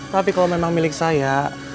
tapi kalau memang milik saya